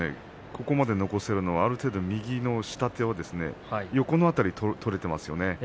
ここまで残せるのは、ある程度右の下手を横の辺りを取れていますよね。